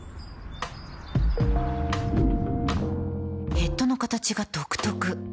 ヘッドの形が独特